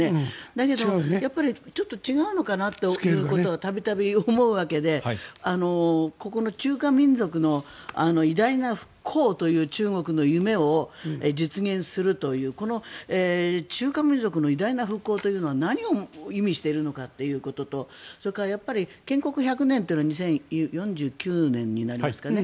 だけど、やっぱりちょっと違うのかなということは度々思うわけで、ここの中華民族の偉大な復興という中国の夢を実現するというこの中華民族の偉大な復興というのは何を意味しているのかということとそれから建国１００年というのは２０４９年になりますかね。